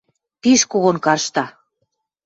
Пиш когон каршта.